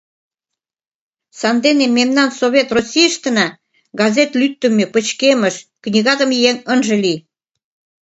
Сандене мемнан Совет Российыштына газет лӱддымӧ, пычкемыш, книгадыме еҥ ынже лий.